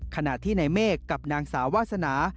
ขณะที่ในเมฆกับนางสาววาสนา